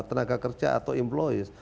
tenaga kerja atau employees